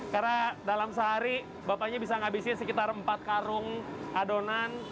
karena dalam sehari bapaknya bisa menghabiskan sekitar empat karung adonan